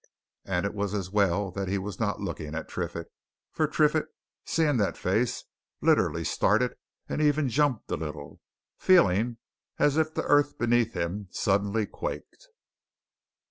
And it was as well that he was not looking at Triffitt, for Triffitt, seeing that face, literally started and even jumped a little, feeling as if the earth beneath him suddenly quaked.